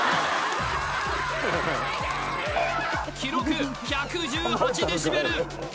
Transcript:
記録１１８デシベル！